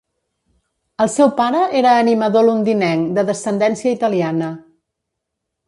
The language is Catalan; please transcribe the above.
El seu pare era animador londinenc de descendència italiana.